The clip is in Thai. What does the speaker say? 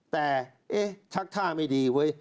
แต่ชักท่าไม่ดีเว้ย